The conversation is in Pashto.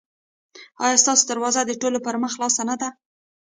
ایا ستاسو دروازه د ټولو پر مخ خلاصه نه ده؟